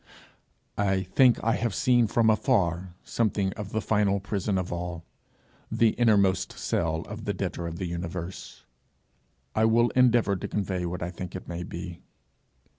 I think I have seen from afar something of the final prison of all, the innermost cell of the debtor of the universe; I will endeavour to convey what I think it may be.